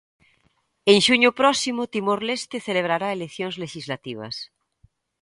En xuño próximo, Timor Leste celebrará eleccións lexislativas.